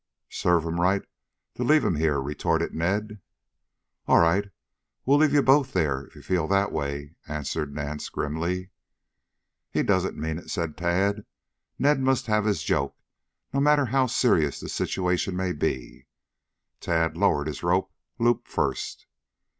"Serve him right to leave him here," retorted Ned. "All right, we will leave you both there, if you feel that way," answered Nance grimly. "He doesn't mean it," said Tad. "Ned must have his joke, no matter how serious the situation may be." Tad lowered his rope, loop first.